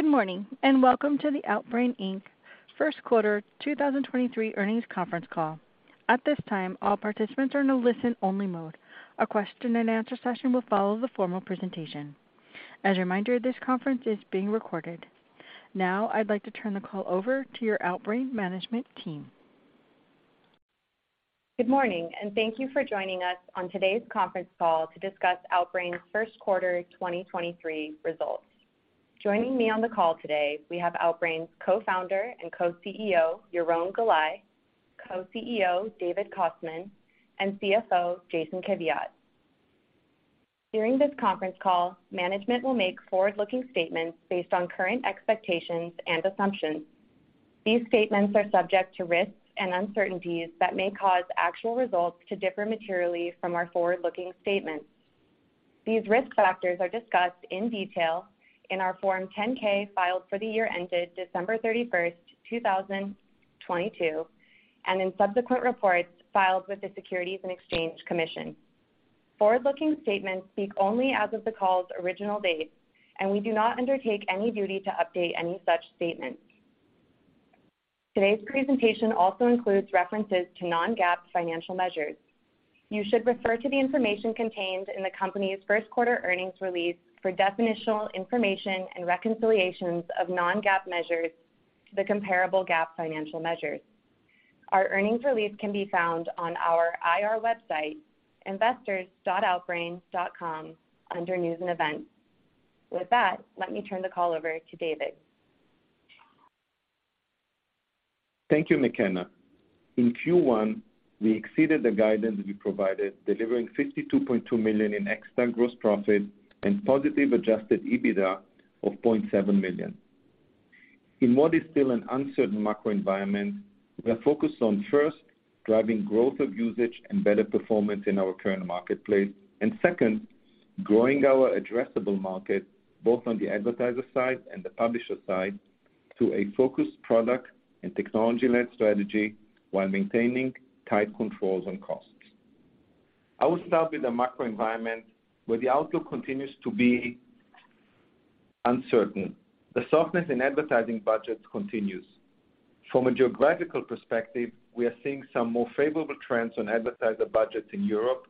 Good morning, welcome to the Outbrain Q1 2023 earnings conference call. At this time, all participants are in a listen-only mode. A question and answer session will follow the formal presentation. As a reminder, this conference is being recorded. I'd like to turn the call over to your Outbrain management team. Good morning, and thank you for joining us on today's conference call to discuss Outbrain's Q1 2023 results. Joining me on the call today we have Outbrain's co-founder and co-CEO, Yaron Galai, Co-CEO, David Kostman, and CFO, Jason Kiviat. During this conference call, management will make forward-looking statements based on current expectations and assumptions. These statements are subject to risks and uncertainties that may cause actual results to differ materially from our forward-looking statements. These risk factors are discussed in detail in our form 10-K filed for the year ended December 31, 2022, and in subsequent reports filed with the Securities and Exchange Commission. Forward-looking statements speak only as of the call's original date, and we do not undertake any duty to update any such statements. Today's presentation also includes references to non-GAAP financial measures. You should refer to the information contained in the company's Q1 earnings release for definitional information and reconciliations of non-GAAP measures to the comparable GAAP financial measures. Our earnings release can be found on our IR website, investors.outbrain.com, under News and Events. With that, let me turn the call over to David. Thank you, McKenna. In Q1, we exceeded the guidance we provided, delivering $52.2 million in extra gross profit and positive Adjusted EBITDA of $0.7 million. In what is still an uncertain macro environment, we are focused on, first, driving growth of usage and better performance in our current marketplace, and second, growing our addressable market both on the advertiser side and the publisher side to a focused product and technology-led strategy while maintaining tight controls on costs. I will start with the macro environment where the outlook continues to be uncertain. The softness in advertising budgets continues. From a geographical perspective, we are seeing some more favorable trends on advertiser budgets in Europe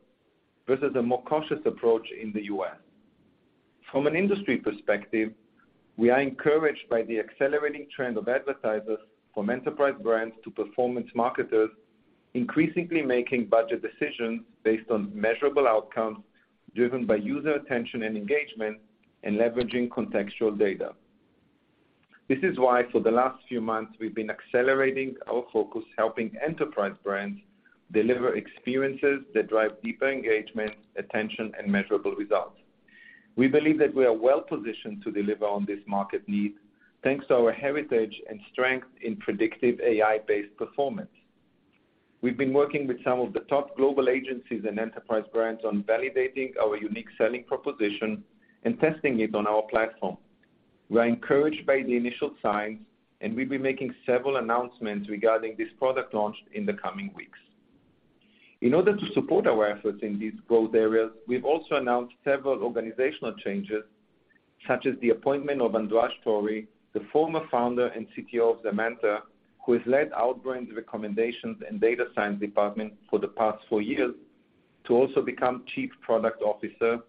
versus a more cautious approach in the U.S. From an industry perspective, we are encouraged by the accelerating trend of advertisers from enterprise brands to performance marketers increasingly making budget decisions based on measurable outcomes driven by user attention and engagement and leveraging contextual data. This is why for the last few months we've been accelerating our focus helping enterprise brands deliver experiences that drive deeper engagement, attention, and measurable results. We believe that we are well-positioned to deliver on this market need, thanks to our heritage and strength in predictive AI-based performance. We've been working with some of the top global agencies and enterprise brands on validating our unique selling proposition and testing it on our platform. We are encouraged by the initial signs, and we'll be making several announcements regarding this product launch in the coming weeks. In order to support our efforts in these growth areas, we've also announced several organizational changes, such as the appointment of Andraz Tori, the former founder and CTO of Zemanta, who has led Outbrain's recommendations and data science department for the past four years, to also become Chief Product Officer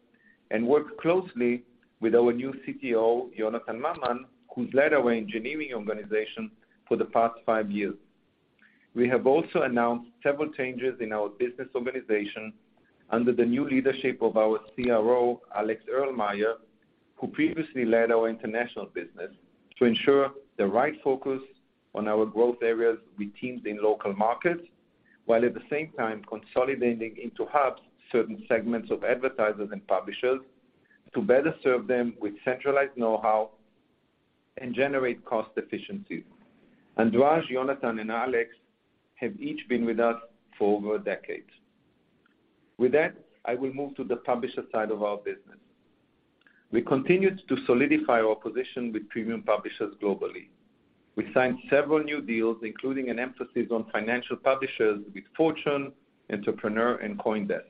and work closely with our new CTO, Yonatan Maman, who's led our engineering organization for the past five years. We have also announced several changes in our business organization under the new leadership of our CRO, Alex Erlmeier, who previously led our international business, to ensure the right focus on our growth areas with teams in local markets, while at the same time consolidating into hubs certain segments of advertisers and publishers to better serve them with centralized know-how and generate cost efficiencies. Andraz, Yonatan, and Alex have each been with us for over a decade. With that, I will move to the publisher side of our business. We continue to solidify our position with premium publishers globally. We signed several new deals, including an emphasis on financial publishers with Fortune, Entrepreneur, and CoinDesk.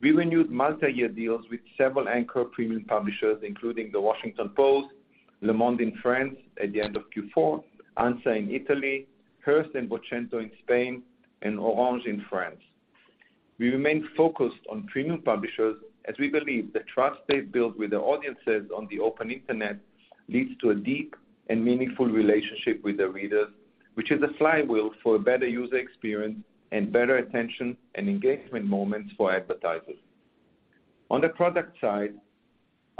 We renewed multi-year deals with several anchor premium publishers, including The Washington Post, Le Monde in France at the end of Q4, ANSA in Italy, Hearst and Vocento in Spain, and Orange in France. We remain focused on premium publishers as we believe the trust they build with their audiences on the open internet leads to a deep and meaningful relationship with their readers, which is a flywheel for a better user experience and better attention and engagement moments for advertisers. On the product side,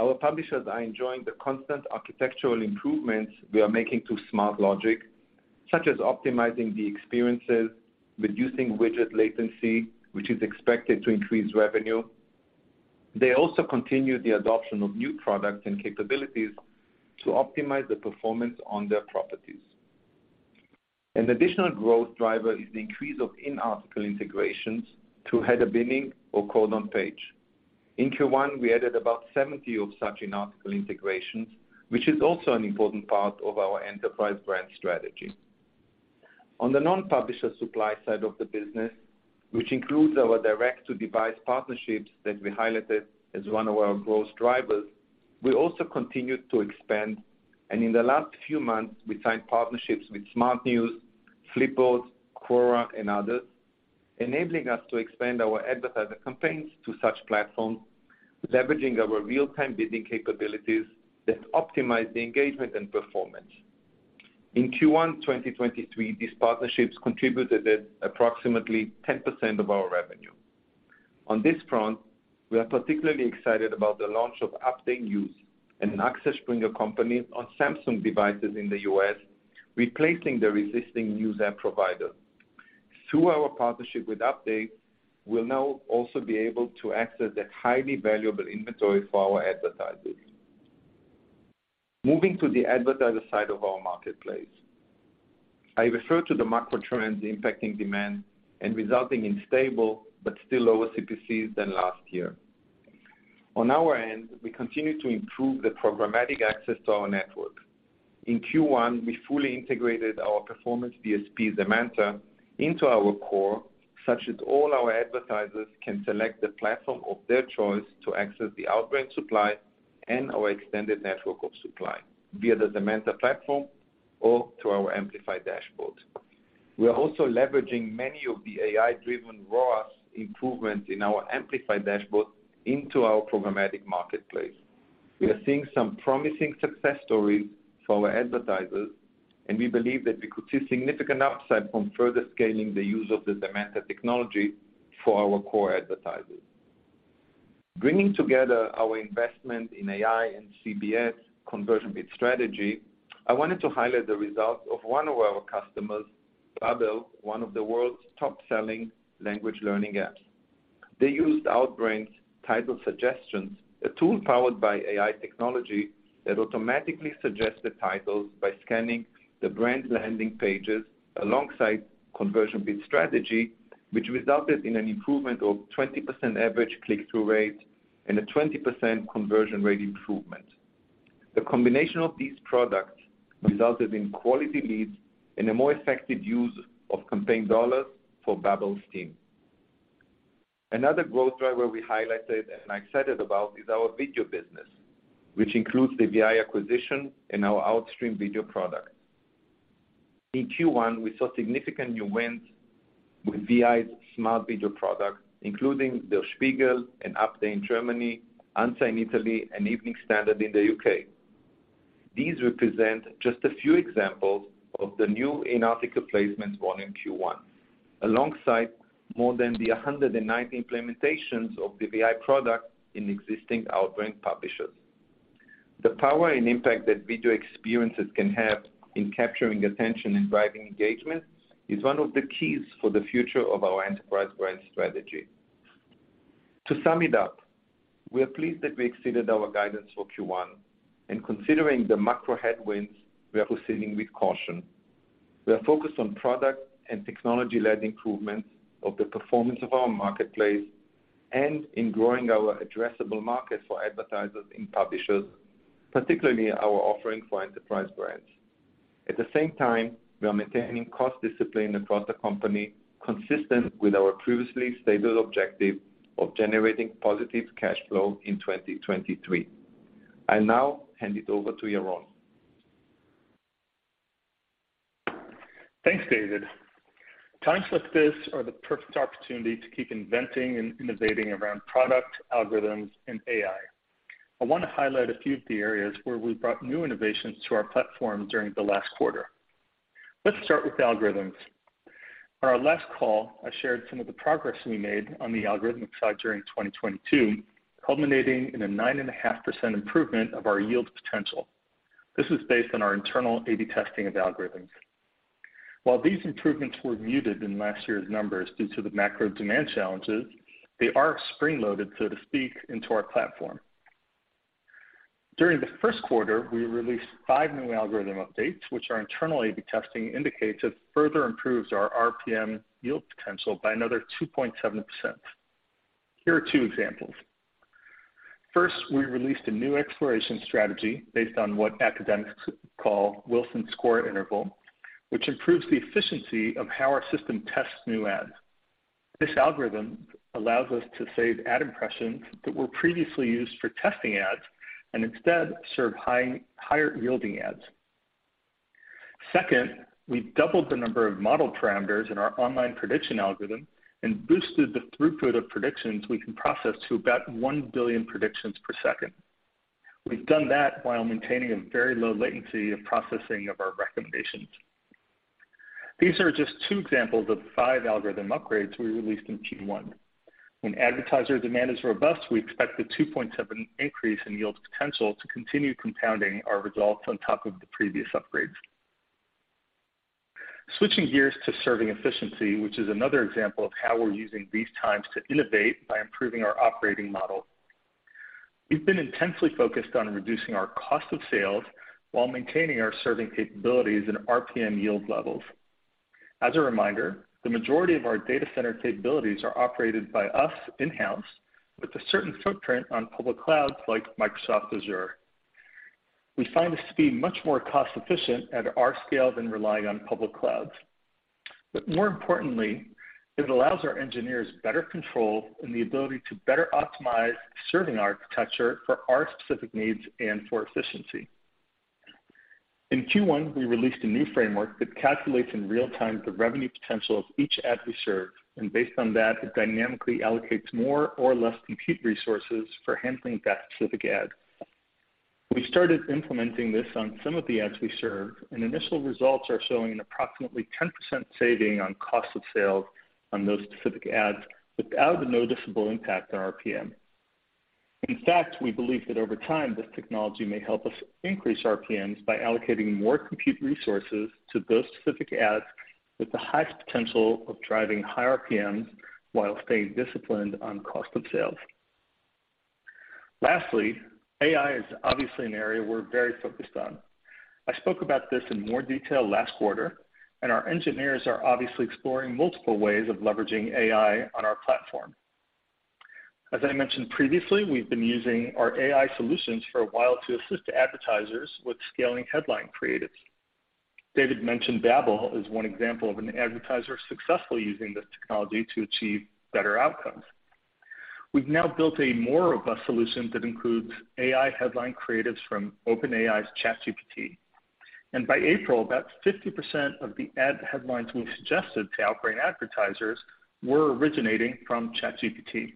our publishers are enjoying the constant architectural improvements we are making to Smartlogic, such as optimizing the experiences, reducing widget latency, which is expected to increase revenue. They also continue the adoption of new products and capabilities to optimize the performance on their properties. An additional growth driver is the increase of in-article integrations through header bidding or Code on Page. In Q1, we added about 70 of such in-article integrations, which is also an important part of our enterprise brand strategy. On the non-publisher supply side of the business, which includes our direct-to-device partnerships that we highlighted as one of our growth drivers, we also continued to expand. In the last few months, we signed partnerships with SmartNews, Flipboard, Quora, and others, enabling us to expand our advertiser campaigns to such platforms, leveraging our real-time bidding capabilities that optimize the engagement and performance. In Q1, 2023, these partnerships contributed approximately 10% of our revenue. This front, we are particularly excited about the launch of Update News, an Axel Springer company on Samsung devices in the U.S., replacing the resisting news app provider. Through our partnership with Update, we'll now also be able to access that highly valuable inventory for our advertisers. Moving to the advertiser side of our marketplace. I refer to the macro trends impacting demand and resulting in stable but still lower CPCs than last year. Our end, we continue to improve the programmatic access to our network. In Q1, we fully integrated our performance DSP, Demand, into our core, such that all our advertisers can select the platform of their choice to access the Outbrain supply and our extended network of supply via the Demand platform or through our Amplify dashboard. We are also leveraging many of the AI-driven ROAS improvements in our Amplify dashboard into our programmatic marketplace. We are seeing some promising success stories for our advertisers, and we believe that we could see significant upside from further scaling the use of the Demand technology for our core advertisers. Bringing together our investment in AI and CBS Conversion Bid Strategy, I wanted to highlight the results of one of our customers, Babbel, one of the world's top-selling language learning apps. They used Outbrain's title suggestions, a tool powered by AI technology that automatically suggests the titles by scanning the brand's landing pages alongside Conversion Bid Strategy, which resulted in an improvement of 20% average click-through rate and a 20% conversion rate improvement. The combination of these products resulted in quality leads and a more effective use of campaign dollars for Babbel's team. Another growth driver we highlighted and are excited about is our video business, which includes the VI acquisition and our Outstream video product. In Q1, we saw significant new wins with VI's smart video product, including Der Spiegel and Update in Germany, ANSA in Italy, and Evening Standard in the UK. These represent just a few examples of the new in-article placements won in Q1, alongside more than the 190 implementations of the VI product in existing Outbrain publishers. The power and impact that video experiences can have in capturing attention and driving engagement is one of the keys for the future of our enterprise brand strategy. To sum it up, we are pleased that we exceeded our guidance for Q1. Considering the macro headwinds, we are proceeding with caution. We are focused on product and technology-led improvements of the performance of our marketplace and in growing our addressable market for advertisers and publishers, particularly our offering for enterprise brands. At the same time, we are maintaining cost discipline across the company, consistent with our previously stated objective of generating positive cash flow in 2023. I'll now hand it over to Yaron. Thanks, David. Times like this are the perfect opportunity to keep inventing and innovating around product, algorithms, and AI. I want to highlight a few of the areas where we brought new innovations to our platform during the last quarter. Let's start with algorithms. On our last call, I shared some of the progress we made on the algorithmic side during 2022, culminating in a 9.5% improvement of our yield potential. This is based on our internal A/B testing of algorithms. While these improvements were muted in last year's numbers due to the macro demand challenges, they are spring-loaded, so to speak, into our platform. During the Q1, we released five new algorithm updates, which our internal A/B testing indicates it further improves our RPM yield potential by another 2.7%. Here are two examples. First, we released a new exploration strategy based on what academics call Wilson score interval, which improves the efficiency of how our system tests new ads. This algorithm allows us to save ad impressions that were previously used for testing ads and instead serve higher-yielding ads. Second, we've doubled the number of model parameters in our online prediction algorithm and boosted the throughput of predictions we can process to about 1 billion predictions per second. We've done that while maintaining a very low latency of processing of our recommendations. These are just two examples of five algorithm upgrades we released in Q1. When advertiser demand is robust, we expect the 2.7 increase in yield potential to continue compounding our results on top of the previous upgrades. Switching gears to serving efficiency, which is another example of how we're using these times to innovate by improving our operating model. We've been intensely focused on reducing our cost of sales while maintaining our serving capabilities and RPM yield levels. As a reminder, the majority of our data center capabilities are operated by us in-house with a certain footprint on public clouds like Microsoft Azure. We find this to be much more cost efficient at our scale than relying on public clouds. More importantly, it allows our engineers better control and the ability to better optimize serving architecture for our specific needs and for efficiency. In Q1, we released a new framework that calculates in real time the revenue potential of each ad we serve, and based on that, it dynamically allocates more or less compute resources for handling that specific ad. We started implementing this on some of the ads we serve, initial results are showing an approximately 10% saving on cost of sale on those specific ads without a noticeable impact on RPM. In fact, we believe that over time, this technology may help us increase RPMs by allocating more compute resources to those specific ads with the highest potential of driving higher RPMs while staying disciplined on cost of sales. Lastly, AI is obviously an area we're very focused on. I spoke about this in more detail last quarter, our engineers are obviously exploring multiple ways of leveraging AI on our platform. As I mentioned previously, we've been using our AI solutions for a while to assist advertisers with scaling headline creatives. David mentioned Babble as one example of an advertiser successfully using this technology to achieve better outcomes. We've now built a more robust solution that includes AI headline creatives from OpenAI's ChatGPT. By April, about 50% of the ad headlines we suggested to Outbrain advertisers were originating from ChatGPT.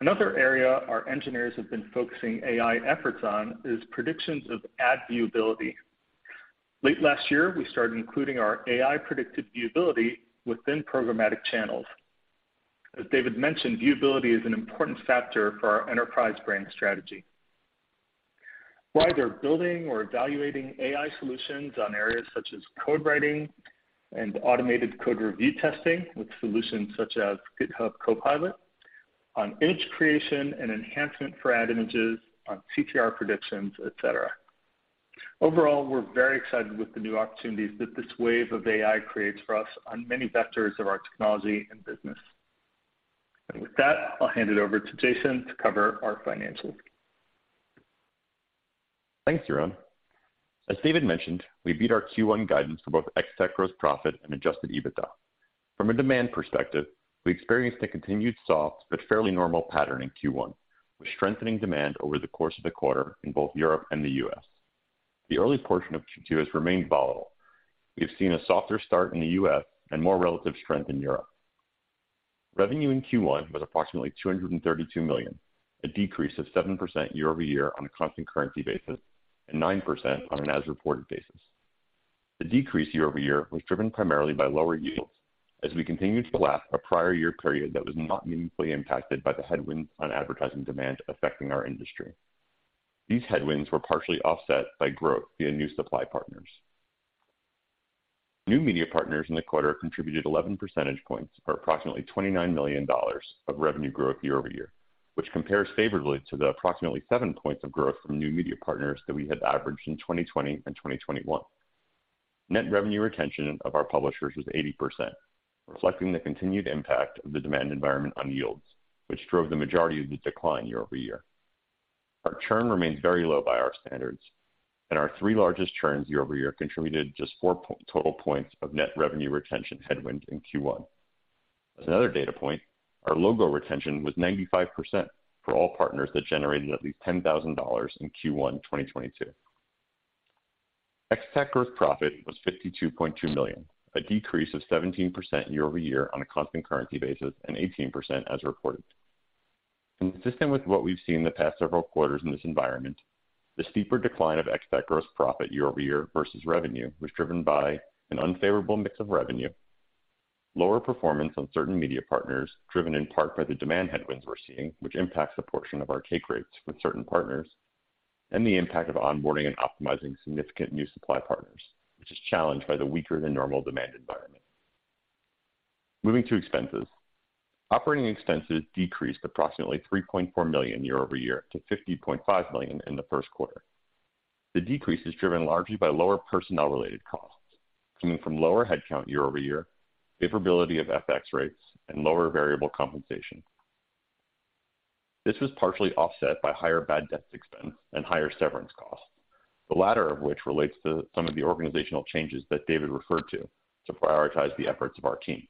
Another area our engineers have been focusing AI efforts on is predictions of ad viewability. Late last year, we started including our AI-predicted viewability within programmatic channels. As David mentioned, viewability is an important factor for our enterprise brand strategy. We're either building or evaluating AI solutions on areas such as code writing and automated code review testing with solutions such as GitHub Copilot on image creation and enhancement for ad images, on CTR predictions, et cetera. Overall, we're very excited with the new opportunities that this wave of AI creates for us on many vectors of our technology and business. With that, I'll hand it over to Jason to cover our financials. Thanks, Yoram. As David mentioned, we beat our Q1 guidance for both Ex-TAC gross profit and Adjusted EBITDA. From a demand perspective, we experienced a continued soft but fairly normal pattern in Q1, with strengthening demand over the course of the quarter in both Europe and the U.S. The early portion of Q2 has remained volatile. We have seen a softer start in the U.S. and more relative strength in Europe. Revenue in Q1 was approximately $232 million, a decrease of 7% year-over-year on a constant currency basis, and 9% on an as-reported basis. The decrease year-over-year was driven primarily by lower yields as we continued to lap a prior year period that was not meaningfully impacted by the headwinds on advertising demand affecting our industry. These headwinds were partially offset by growth via new supply partners. New media partners in the quarter contributed 11 percentage points or approximately $29 million of revenue growth year-over-year, which compares favorably to the approximately 7 points of growth from new media partners that we had averaged in 2020 and 2021. Net revenue retention of our publishers was 80%, reflecting the continued impact of the demand environment on yields, which drove the majority of the decline year-over-year. Our churn remains very low by our standards. Our three largest churns year-over-year contributed just four total points of net revenue retention headwind in Q1. As another data point, our logo retention was 95% for all partners that generated at least $10,000 in Q1, 2022. Ex-TAC gross profit was $52.2 million, a decrease of 17% year-over-year on a constant currency basis, and 18% as reported. Consistent with what we've seen the past several quarters in this environment, the steeper decline of Ex-TAC gross profit year-over-year versus revenue was driven by an unfavorable mix of revenue, lower performance on certain media partners, driven in part by the demand headwinds we're seeing, which impacts a portion of our take rates with certain partners, and the impact of onboarding and optimizing significant new supply partners, which is challenged by the weaker than normal demand environment. Moving to expenses. Operating expenses decreased approximately $3.4 million year-over-year to $50.5 million in the Q1. The decrease is driven largely by lower personnel-related costs coming from lower headcount year-over-year, favorability of FX rates, and lower variable compensation. This was partially offset by higher bad debts expense and higher severance costs, the latter of which relates to some of the organizational changes that David referred to prioritize the efforts of our team.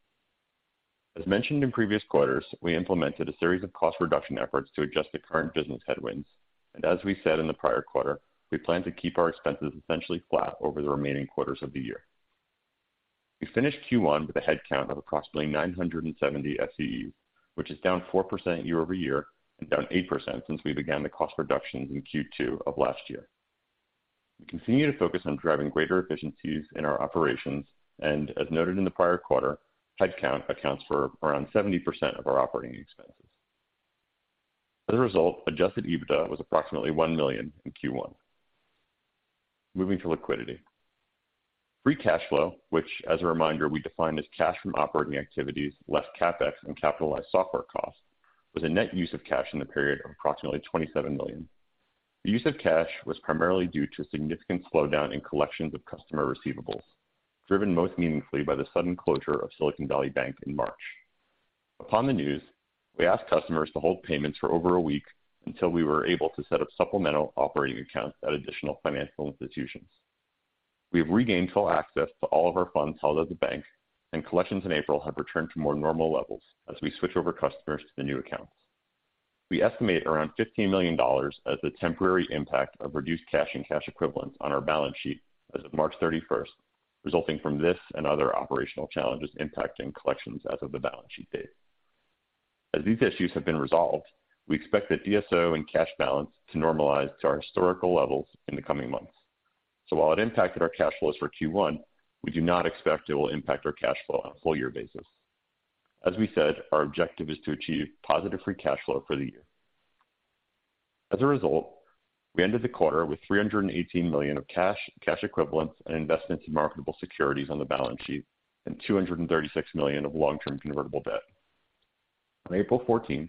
As mentioned in previous quarters, we implemented a series of cost reduction efforts to adjust to current business headwinds, and as we said in the prior quarter, we plan to keep our expenses essentially flat over the remaining quarters of the year. We finished Q1 with a headcount of approximately 970 FTEs, which is down 4% year-over-year and down 8% since we began the cost reductions in Q2 of last year. We continue to focus on driving greater efficiencies in our operations. As noted in the prior quarter, headcount accounts for around 70% of our operating expenses. As a result, Adjusted EBITDA was approximately $1 million in Q1. Moving to liquidity. Free cash flow, which as a reminder, we define as cash from operating activities less CapEx and capitalized software costs, was a net use of cash in the period of approximately $27 million. The use of cash was primarily due to a significant slowdown in collections of customer receivables, driven most meaningfully by the sudden closure of Silicon Valley Bank in March. Upon the news, we asked customers to hold payments for over a week until we were able to set up supplemental operating accounts at additional financial institutions. We have regained full access to all of our funds held at the bank, and collections in April have returned to more normal levels as we switch over customers to the new accounts. We estimate around $15 million as the temporary impact of reduced cash and cash equivalents on our balance sheet as of March 31st, resulting from this and other operational challenges impacting collections as of the balance sheet date. As these issues have been resolved, we expect that DSO and cash balance to normalize to our historical levels in the coming months. While it impacted our cash flows for Q1, we do not expect it will impact our cash flow on a full year basis. As we said, our objective is to achieve positive free cash flow for the year. We ended the quarter with $318 million of cash equivalents and investments in marketable securities on the balance sheet and $236 million of long-term convertible debt. On April 14th,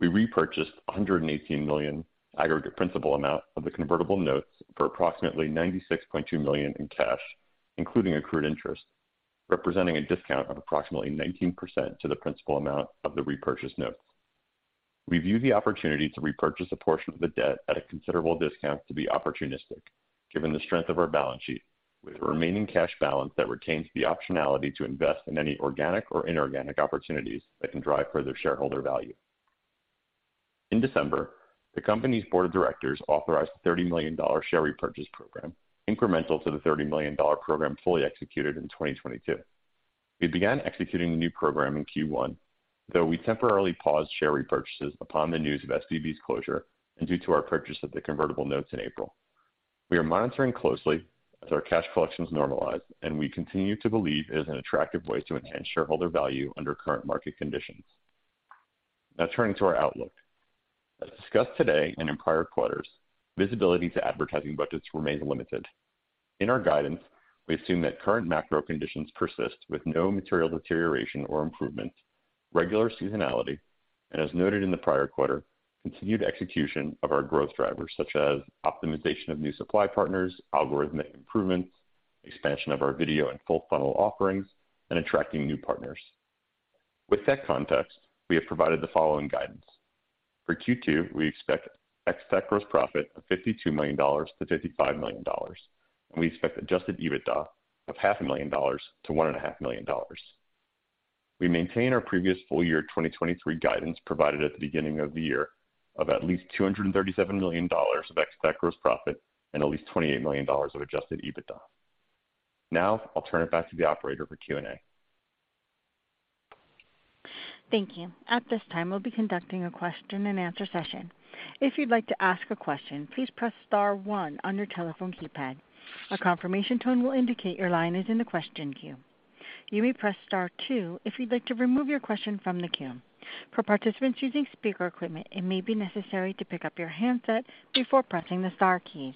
we repurchased $118 million aggregate principal amount of the convertible notes for approximately $96.2 million in cash, including accrued interest, representing a discount of approximately 19% to the principal amount of the repurchased notes. We view the opportunity to repurchase a portion of the debt at a considerable discount to be opportunistic given the strength of our balance sheet with remaining cash balance that retains the optionality to invest in any organic or inorganic opportunities that can drive further shareholder value. In December, the company's board of directors authorized a $30 million share repurchase program incremental to the $30 million program fully executed in 2022. We began executing the new program in Q1, though we temporarily paused share repurchases upon the news of SVB's closure and due to our purchase of the convertible notes in April. We are monitoring closely as our cash collections normalize, and we continue to believe it is an attractive way to enhance shareholder value under current market conditions. Turning to our outlook. As discussed today and in prior quarters, visibility to advertising budgets remains limited. In our guidance, we assume that current macro conditions persist with no material deterioration or improvement, regular seasonality, and as noted in the prior quarter, continued execution of our growth drivers such as optimization of new supply partners, algorithmic improvements, expansion of our video and full funnel offerings, and attracting new partners. With that context, we have provided the following guidance. For Q2, we expect Ex-TAC gross profit of $52 million-$55 million, and we expect Adjusted EBITDA of half a million dollars to one and a half million dollars. We maintain our previous full year 2023 guidance provided at the beginning of the year of at least $237 million of Ex-TAC gross profit and at least $28 million of Adjusted EBITDA. Now I'll turn it back to the operator for Q&A. Thank you. At this time, we'll be conducting a question and answer session. If you'd like to ask a question, please press star one on your telephone keypad. A confirmation tone will indicate your line is in the question queue. You may press star two if you'd like to remove your question from the queue. For participants using speaker equipment, it may be necessary to pick up your handset before pressing the star keys.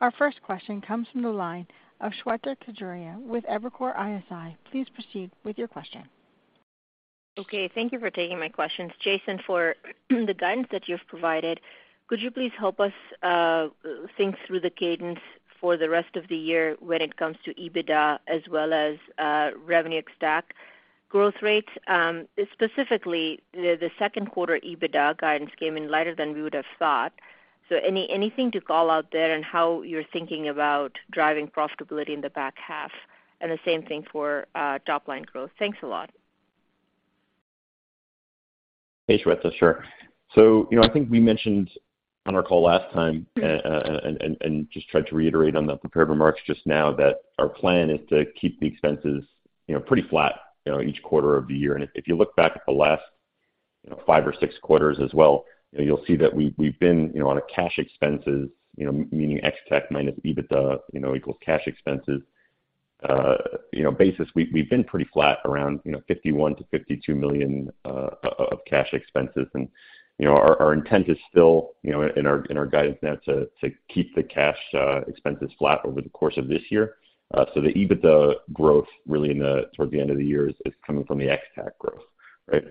Our first question comes from the line of Shweta Khajuria with Evercore ISI. Please proceed with your question. Okay. Thank you for taking my questions. Jason, for the guidance that you've provided, could you please help us think through the cadence for the rest of the year when it comes to EBITDA as well as revenue Ex-TAC growth rates? Specifically the Q2 EBITDA guidance came in lighter than we would have thought. Anything to call out there on how you're thinking about driving profitability in the back half and the same thing for top line growth? Thanks a lot. Hey, Shweta. Sure. You know, I think we mentioned on our call last time, and just tried to reiterate on the prepared remarks just now that our plan is to keep the expenses, you know, pretty flat, you know, each quarter of the year. If you look back at the last, you know, 5 or 6 quarters as well, you know, you'll see that we've been, you know, on a cash expenses, you know, meaning Ex-TAC minus EBITDA, you know, equals cash expenses, you know, basis, we've been pretty flat around, you know, $51 million-$52 million of cash expenses. You know, our intent is still, you know, in our guidance now to keep the cash expenses flat over the course of this year. The EBITDA growth really toward the end of the year is coming from the Ex-TAC growth, right?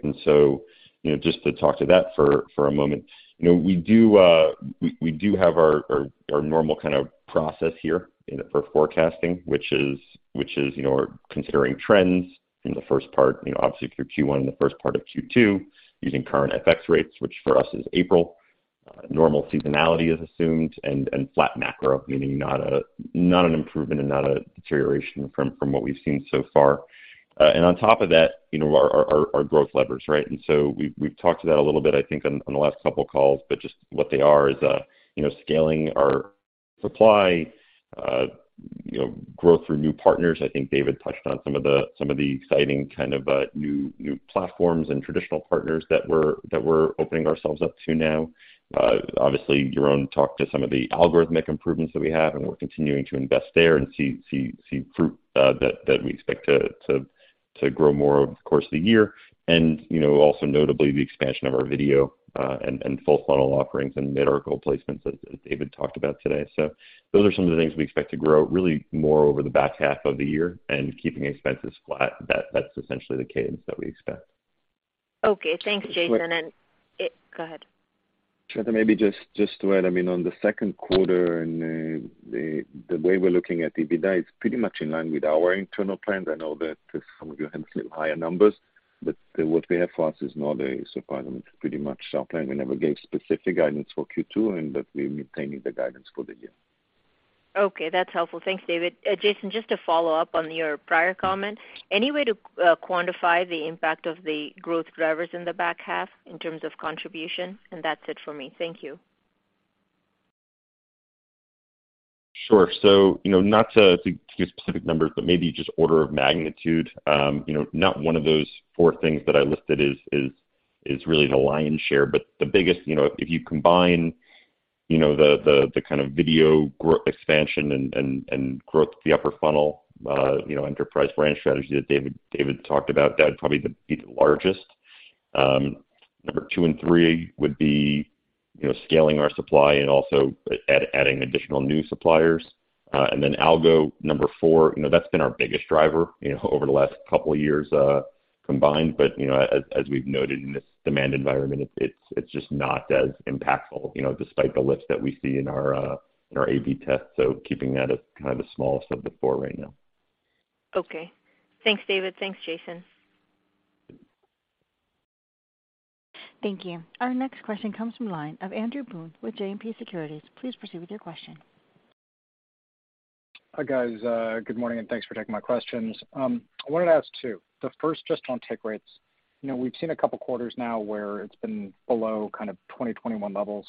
You know, just to talk to that for a moment, you know, we do have our, our normal kind of process here for forecasting, which is, you know, considering trends in the first part, you know, obviously through Q1 and the first part of Q2, using current FX rates, which for us is April. Normal seasonality is assumed and flat macro, meaning not an improvement and not a deterioration from what we've seen so far. On top of that, you know, our growth levers, right? we've talked to that a little bit, I think, on the last couple of calls, but just what they are is, you know, scaling our supply, you know, growth through new partners. I think David touched on some of the exciting kind of, new platforms and traditional partners that we're opening ourselves up to now. Obviously, Yaron talked to some of the algorithmic improvements that we have, and we're continuing to invest there and see fruit that we expect to grow more over the course of the year. You know, also notably the expansion of our video and full funnel offerings and mid-article placements as David talked about today. Those are some of the things we expect to grow really more over the back half of the year and keeping expenses flat. That's essentially the cadence that we expect. Okay, thanks, Jason. Go ahead. Shweta, maybe just to add, I mean, on the Q2 and the way we're looking at EBITDA is pretty much in line with our internal plans. I know that some of you have a little higher numbers, but what we have for us is not a surprise. I mean, it's pretty much our plan. We never gave specific guidance for Q2, and that we're maintaining the guidance for the year. Okay. That's helpful. Thanks, David. Jason, just to follow up on your prior comment, any way to quantify the impact of the growth drivers in the back half in terms of contribution? That's it for me. Thank you. Sure. You know, not to give specific numbers, but maybe just order of magnitude. You know, not one of those four things that I listed is really the lion's share. The biggest, you know, if you combine, you know, the kind of video expansion and growth at the upper funnel, you know, enterprise branch strategy that David talked about, that'd probably be the largest. Number two and three would be, you know, scaling our supply and also adding additional new suppliers. Algo, number four, you know, that's been our biggest driver, you know, over the last couple of years combined. You know, as we've noted in this demand environment, it's just not as impactful, you know, despite the lift that we see in our in our AV test. Keeping that as kind of the smallest of the four right now. Okay. Thanks, David. Thanks, Jason. Thank you. Our next question comes from line of Andrew Boone with JMP Securities. Please proceed with your question. Hi, guys. Good morning, and thanks for taking my questions. I wanted to ask two. The first just on take rates. You know, we've seen a couple quarters now where it's been below kind of 20, 21 levels.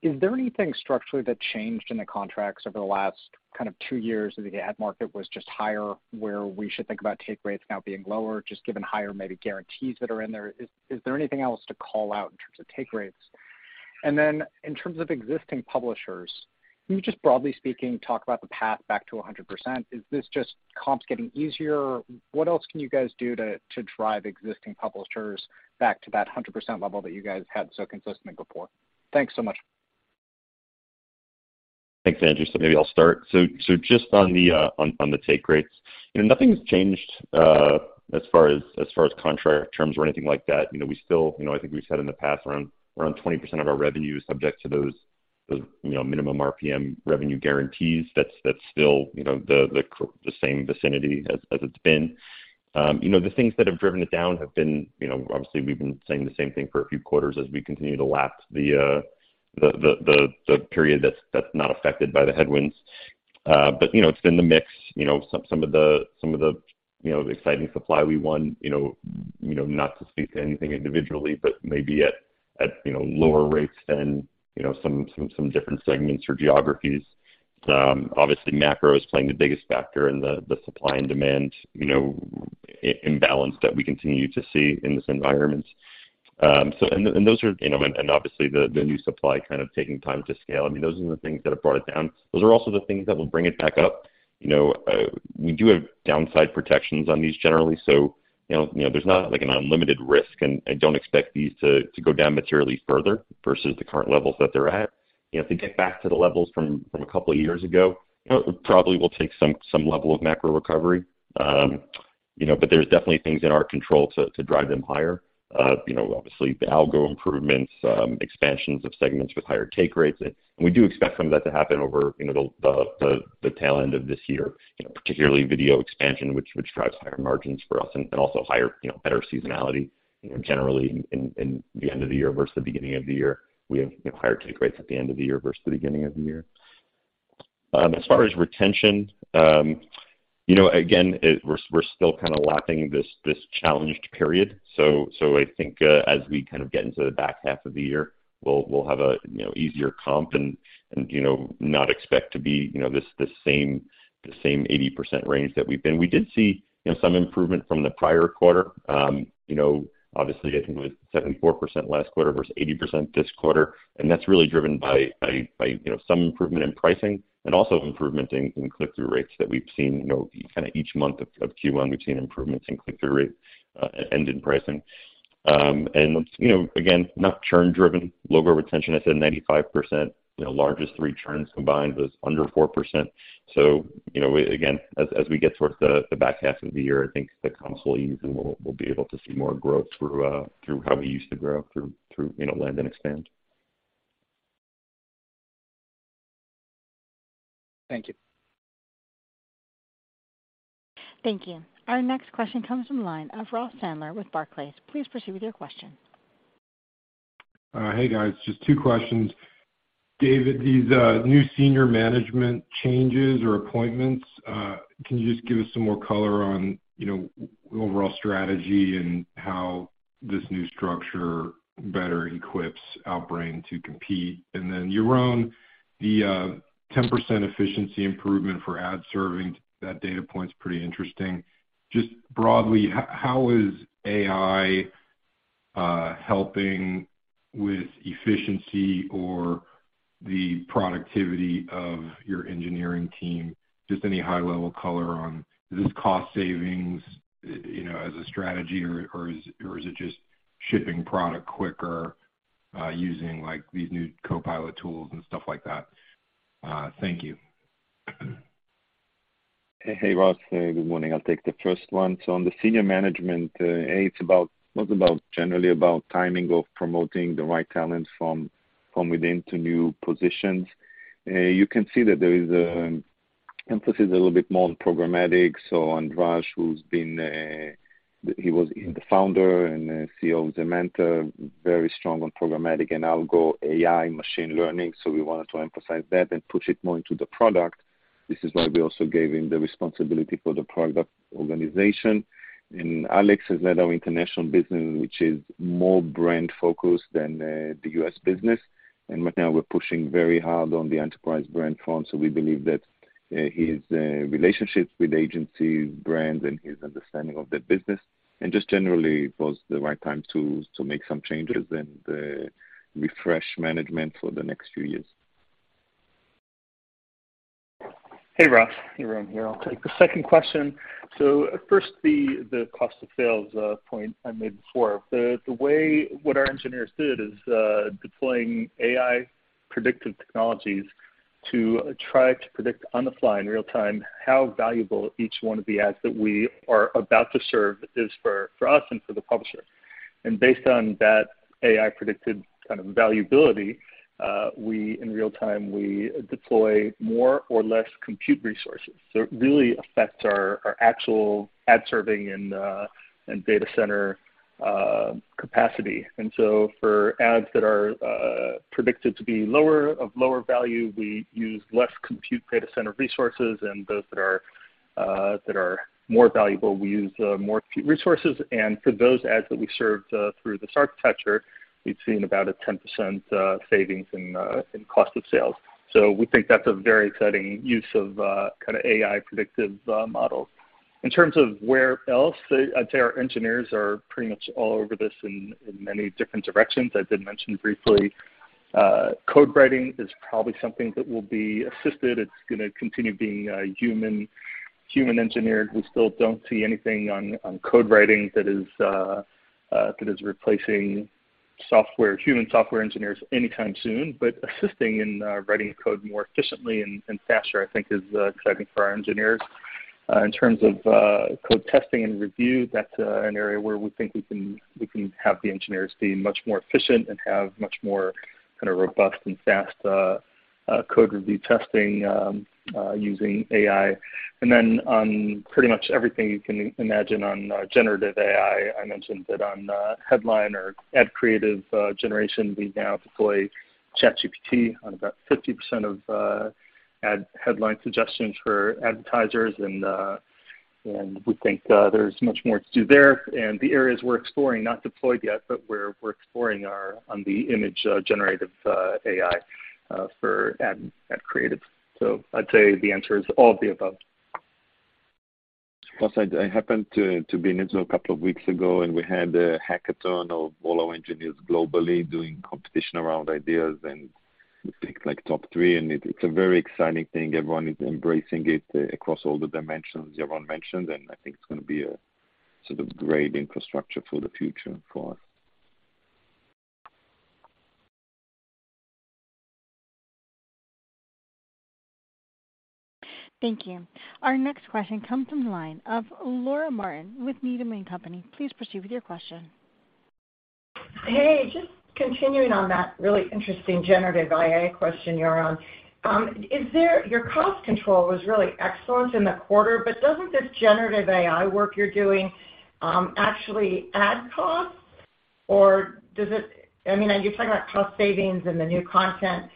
Is there anything structurally that changed in the contracts over the last kind of two years that the ad market was just higher, where we should think about take rates now being lower, just given higher maybe guarantees that are in there? Is there anything else to call out in terms of take rates? In terms of existing publishers, can you just broadly speaking, talk about the path back to a 100%? Is this just comps getting easier? What else can you guys do to drive existing publishers back to that 100% level that you guys had so consistently before? Thanks so much. Thanks, Andrew. Maybe I'll start. Just on the take rates, you know, nothing's changed, as far as contract terms or anything like that. You know, we still, you know, I think we've said in the past around 20% of our revenue is subject to those, you know, minimum RPM revenue guarantees. That's still, you know, the same vicinity as it's been. You know, the things that have driven it down have been, you know, obviously we've been saying the same thing for a few quarters as we continue to lap the period that's not affected by the headwinds. You know, it's been the mix. You know, some of the, you know, exciting supply we won, you know, not to speak to anything individually, but maybe at, you know, lower rates than, you know, some different segments or geographies. Obviously macro is playing the biggest factor in the supply and demand, you know, imbalance that we continue to see in this environment. And those are, you know, and obviously the new supply kind of taking time to scale. I mean, those are the things that have brought it down. Those are also the things that will bring it back up. You know, we do have downside protections on these generally. you know, there's not like an unlimited risk, and I don't expect these to go down materially further versus the current levels that they're at. You know, to get back to the levels from a couple of years ago, you know, probably will take some level of macro recovery. you know, but there's definitely things in our control to drive them higher. you know, obviously the algo improvements, expansions of segments with higher take rates. We do expect some of that to happen over, you know, the tail end of this year, you know, particularly video expansion, which drives higher margins for us and also higher, you know, better seasonality, you know, generally in the end of the year versus the beginning of the year. We have, you know, higher take rates at the end of the year versus the beginning of the year. As far as retention, you know, again, we're still kinda lapping this challenged period. I think, as we kind of get into the back half of the year, we'll have a, you know, easier comp and, you know, not expect to be, you know, this same, the same 80% range that we've been. We did see, you know, some improvement from the prior quarter. You know, obviously I think it was 74% last quarter versus 80% this quarter. That's really driven by, you know, some improvement in pricing and also improvement in click-through rates that we've seen. You know, kinda each month of Q1, we've seen improvements in click-through rate and in pricing. You know, again, not churn driven, lower retention. I said 95%, you know, largest three churns combined was under 4%. You know, again, as we get towards the back half of the year, I think the comps will ease and we'll be able to see more growth through how we used to grow through, you know, lend and expand. Thank you. Thank you. Our next question comes from line of Ross Sandler with Barclays. Please proceed with your question. Hey, guys. Just two questions. David, these new senior management changes or appointments, can you just give us some more color on, you know, overall strategy and how this new structure better equips Outbrain to compete? Yaron, the 10% efficiency improvement for ad serving, that data point's pretty interesting. Just broadly, how is AI helping with efficiency or the productivity of your engineering team? Just any high-level color on is this cost savings, you know, as a strategy, or is it just shipping product quicker, using, like, these new copilot tools and stuff like that? Thank you. Hey, Ross. Good morning. I'll take the first one. On the senior management, A, it's generally about timing of promoting the right talent from within to new positions. You can see that there is emphasis a little bit more on programmatic. Andraz, who's been, he was the founder and CEO of Semantor, very strong on programmatic and algo AI machine learning. We wanted to emphasize that and push it more into the product. This is why we also gave him the responsibility for the product organization. Alex has led our international business, which is more brand-focused than the US business. Right now we're pushing very hard on the enterprise brand front, so we believe that, his relationships with agency brands and his understanding of the business, and just generally was the right time to make some changes and refresh management for the next few years. Hey, Ross. Yaron here. I'll take the second question. First, the cost of sales point I made before. The way what our engineers did is deploying AI predictive technologies to try to predict on the fly in real time how valuable each one of the ads that we are about to serve is for us and for the publisher. Based on that AI predicted kind of valuability, we in real time, we deploy more or less compute resources. It really affects our actual ad serving and data center capacity. For ads that are predicted to be of lower value, we use less compute data center resources and those that are more valuable, we use more resources. For those ads that we served through this architecture, we've seen about a 10% savings in cost of sales. We think that's a very exciting use of kind of AI predictive models. In terms of where else, I'd say our engineers are pretty much all over this in many different directions. I did mention briefly, code writing is probably something that will be assisted. It's gonna continue being human engineered. We still don't see anything on code writing that is replacing software, human software engineers anytime soon. Assisting in writing code more efficiently and faster, I think is exciting for our engineers. In terms of code testing and review, that's an area where we think we can have the engineers be much more efficient and have much more kind of robust and fast code review testing using AI. On pretty much everything you can imagine on generative AI, I mentioned that on headline or ad creative generation, we now deploy ChatGPT on about 50% of ad headline suggestions for advertisers. We think there's much more to do there. The areas we're exploring, not deployed yet, but we're exploring are on the image generative AI for ad creative. I'd say the answer is all of the above. Plus, I happened to be in Israel a couple of weeks ago, and we had a hackathon of all our engineers globally doing competition around ideas, and we picked, like, top three. It's a very exciting thing. Everyone is embracing it across all the dimensions Yaron mentioned, and I think it's gonna be a sort of great infrastructure for the future for us. Thank you. Our next question comes from the line of Laura Martin with Needham & Company. Please proceed with your question. Hey, just continuing on that really interesting generative AI question, Yaron. Your cost control was really excellent in the quarter, but doesn't this generative AI work you're doing, actually add costs? Does it... I mean, you're talking about cost savings and the new content,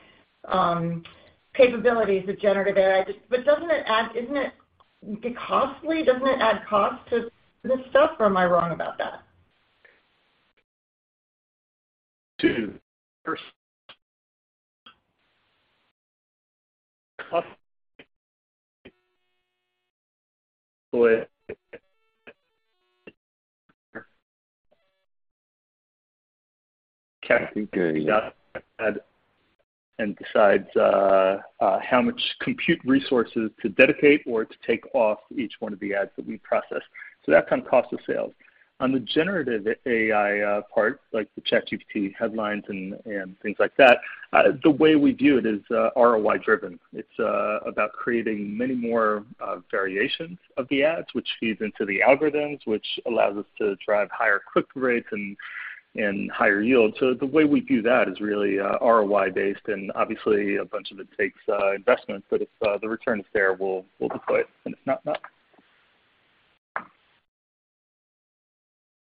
capabilities with generative AI. Isn't it costly? Doesn't it add cost to this stuff, or am I wrong about that? Decides how much compute resources to dedicate or to take off each one of the ads that we process. That comes cost of sales. On the generative AI part, like the ChatGPT headlines and things like that, the way we view it is ROI-driven. It's about creating many more variations of the ads, which feeds into the algorithms, which allows us to drive higher click-through rates and higher yield. The way we view that is really ROI based, and obviously a bunch of it takes investment, but if the return is there, we'll deploy it. If not.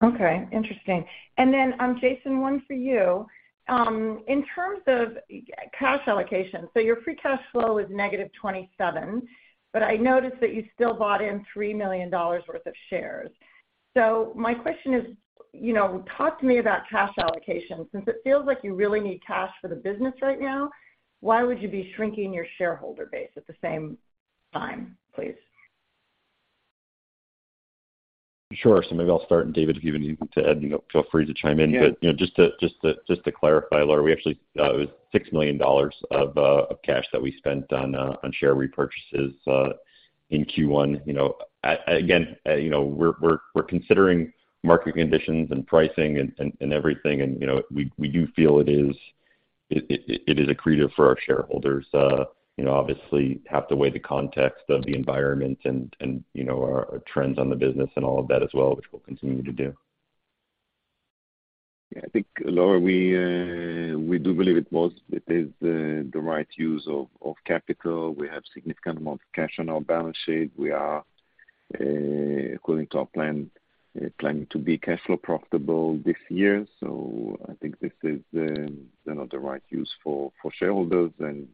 Okay. Interesting. Jason, one for you. In terms of cash allocation, your free cash flow is -$27 million, but I noticed that you still bought in $3 million worth of shares. My question is, you know, talk to me about cash allocation. Since it feels like you really need cash for the business right now, why would you be shrinking your shareholder base at the same time, please? Sure. Maybe I'll start, and David, if you have anything to add, you know, feel free to chime in. Yeah. You know, just to clarify, Laura, we actually, it was $6 million of cash that we spent on share repurchases in Q1. Again, you know, we're considering market conditions and pricing and everything and, you know, we do feel it is accretive for our shareholders. Obviously, you know, have to weigh the context of the environment and, you know, our trends on the business and all of that as well, which we'll continue to do. I think, Laura, we do believe it was, it is the right use of capital. We have significant amount of cash on our balance sheet. We are, according to our plan, planning to be cash flow profitable this year. I think this is, you know, the right use for shareholders. You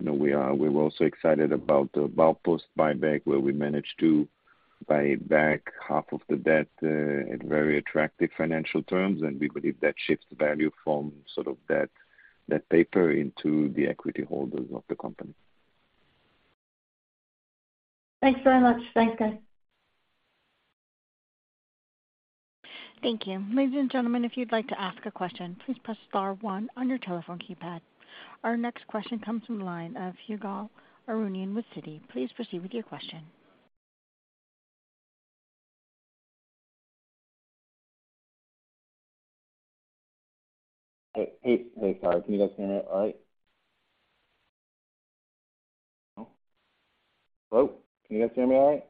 know, we're also excited about the Baupost buyback, where we managed to buy back half of the debt at very attractive financial terms, and we believe that shifts the value from sort of that paper into the equity holders of the company. Thanks very much. Thanks, guys. Thank you. Ladies and gentlemen, if you'd like to ask a question, please press star one on your telephone keypad. Our next question comes from the line of Ygal Arounian with Citi. Please proceed with your question. Hey. Sorry. Can you guys hear me all right? Hello? Can you guys hear me all right?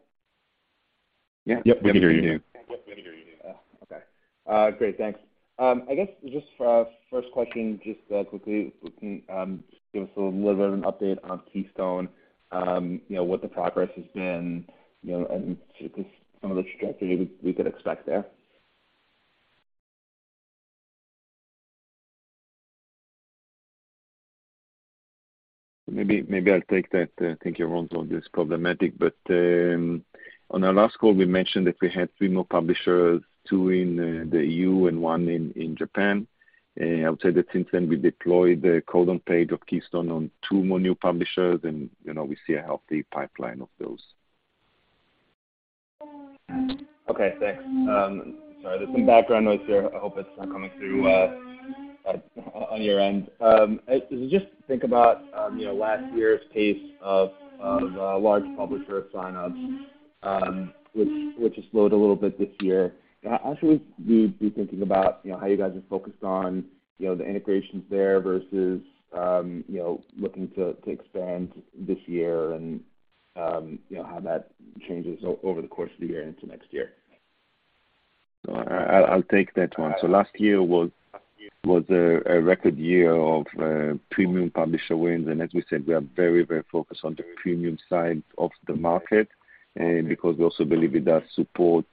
Yeah. Yep, we can hear you. Yep, we can hear you. Okay. Great. Thanks. I guess just for our first question, just quickly, if you can, give us a little bit of an update on Keystone, you know, what the progress has been, you know, and just some of the strategy we could expect there? Maybe I'll take that. I think Yaron's on this problematic. On our last call, we mentioned that we had 3 more publishers, 2 in the EU and 1 in Japan. I would say that since then, we deployed the Code on Page of Keystone on two more new publishers and, you know, we see a healthy pipeline of those. Okay, thanks. Sorry, there's some background noise here. I hope it's not coming through on your end. As you just think about, you know, last year's pace of large publisher sign-ups, which has slowed a little bit this year, how should we be thinking about, you know, how you guys are focused on, you know, the integrations there versus, you know, looking to expand this year and, you know, how that changes over the course of the year into next year? I'll take that one. Last year was a record year of premium publisher wins. As we said, we are very focused on the premium side of the market because we also believe it does support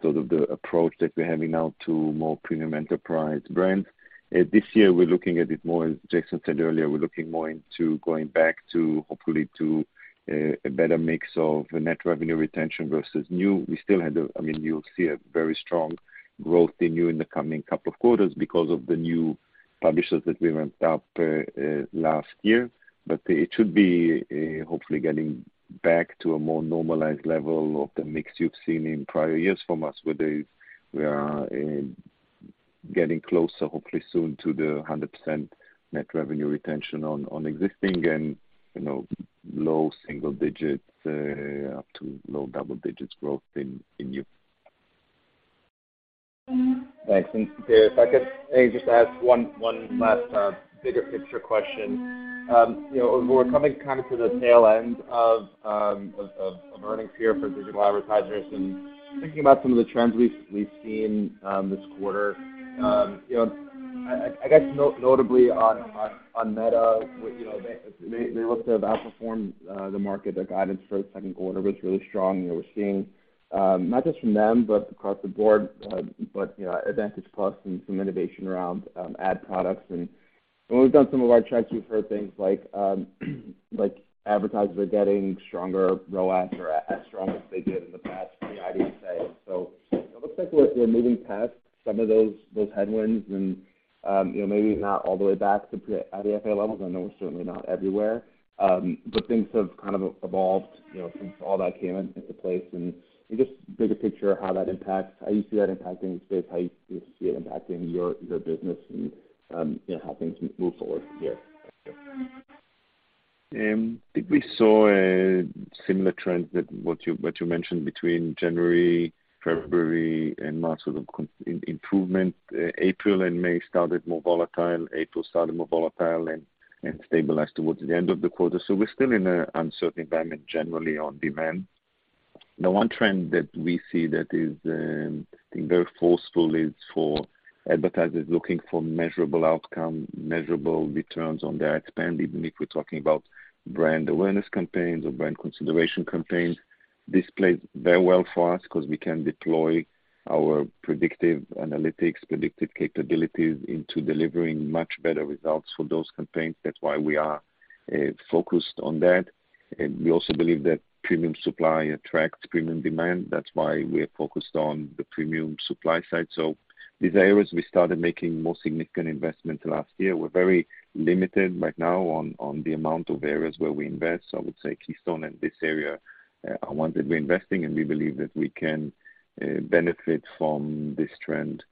sort of the approach that we're having now to more premium enterprise brands. This year, we're looking at it more, as Jason said earlier, we're looking more into going back to hopefully to a better mix of net revenue retention versus new. We still had. I mean, you'll see a very strong growth in new in the coming couple of quarters because of the new publishers that we ramped up last year. it should be, hopefully getting back to a more normalized level of the mix you've seen in prior years from us, where we are getting closer, hopefully soon, to the 100% net revenue retention on existing and, you know, low single digits up to low double digits growth in new. Thanks. If I could maybe just ask one last bigger picture question. You know, we're coming kind of to the tail end of earnings here for digital advertisers and thinking about some of the trends we've seen this quarter. You know, I guess notably on Meta, you know, they looked to have outperformed the market. Their guidance for the Q2 was really strong. You know, we're seeing not just from them, but across the board, but, you know, Advantage+ and some innovation around ad products. When we've done some of our checks, we've heard things like advertisers are getting stronger ROAS or as strong as they did in the past from the IDFA. It looks like we're moving past some of those headwinds, you know, maybe not all the way back to pre-IDFA levels. I know we're certainly not everywhere. Things have kind of evolved, you know, since all that came into place. Just bigger picture, how that impacts how you see that impacting the space, how you see it impacting your business and, you know, how things move forward here. I think we saw a similar trend that what you, what you mentioned between January, February and March, sort of improvement. April and May started more volatile. April started more volatile and stabilized towards the end of the quarter. We're still in an uncertain environment generally on demand. The one trend that we see that is, I think very forceful is for advertisers looking for measurable outcome, measurable returns on their ad spend, even if we're talking about brand awareness campaigns or brand consideration campaigns. This plays very well for us because we can deploy our predictive analytics, predictive capabilities into delivering much better results for those campaigns. That's why we are focused on that. We also believe that premium supply attracts premium demand. That's why we are focused on the premium supply side. These areas we started making more significant investments last year. We're very limited right now on the amount of areas where we invest. I would say Keystone in this area are ones that we're investing, and we believe that we can benefit from this trend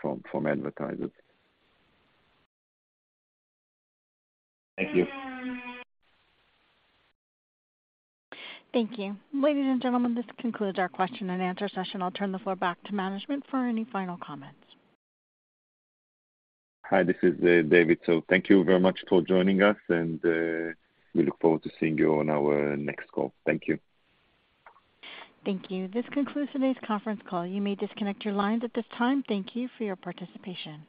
from advertisers. Thank you. Thank you. Ladies and gentlemen, this concludes our question and answer session. I'll turn the floor back to management for any final comments. Hi, this is David. Thank you very much for joining us, and we look forward to seeing you on our next call. Thank you. Thank you. This concludes today's conference call. You may disconnect your lines at this time. Thank you for your participation.